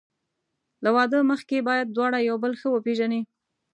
له واده مخکې باید دواړه یو بل ښه وپېژني.